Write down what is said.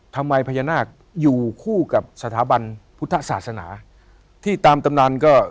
พญานาคอยู่คู่กับสถาบันพุทธศาสนาที่ตามตำนานก็